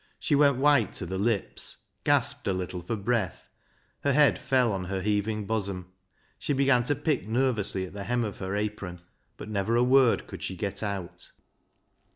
She went white to the lips, gasped a little for breath, her head fell on her heaving bosom, she began to pick nervously at the hem of her apron, but never a word could she get out.